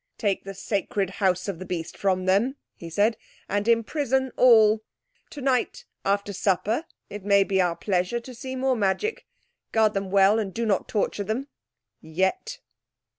"Take the sacred house of the beast from them," he said, "and imprison all. Tonight after supper it may be our pleasure to see more magic. Guard them well, and do not torture them—yet!"